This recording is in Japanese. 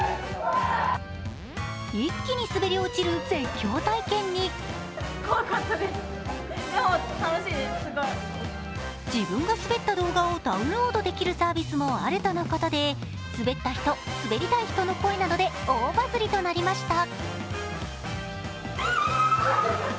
一気に滑り落ちる絶叫体験に自分が滑った動画をダウンロードできるサービスもあるとのことで滑った人、滑りたい人の声などで大バズりとなりました。